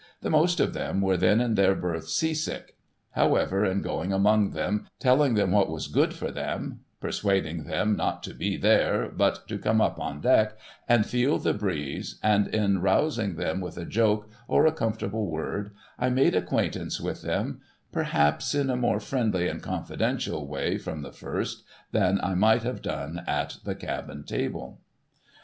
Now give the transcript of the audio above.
The most of them were then in their berths sea sick ; however, in going among them, telling them what was good for them, persuading them not to be there, but to come up on deck and feel the breeze, and in rousing them with a joke, or a comfortable word, I made acquaintance with them, perhaps, in a more friendly and confidential way from the first, than I might have done at the cabin table.